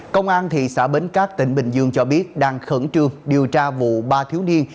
công an thị xã bến cát tỉnh bình dương cho biết đang khẩn trương điều tra vụ ba thiếu niên